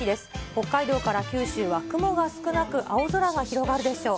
北海道から九州は雲が少なく、青空が広がるでしょう。